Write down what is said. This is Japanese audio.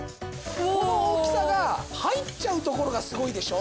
この大きさが入っちゃうところがすごいでしょ？